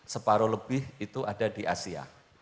separuh lebih itu ada di asia